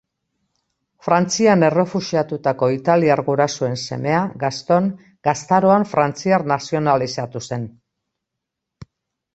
Frantzian errefuxiatutako italiar gurasoen semea, Gaston gaztaroan frantziar nazionalizatu zen.